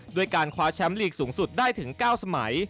ด้วยการคว้าแชมป์ลีกสูงสุดได้ถึง๙สมัย